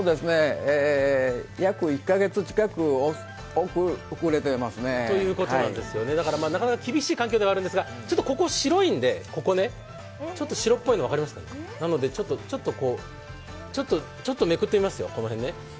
約１か月近く、遅れてますね。ということでなかなか厳しい環境ではあるんですが、ちょっとここ白いんで、ここちょっと白っぽいの分かりますか、ちょっとめくってみますよ、この辺ね。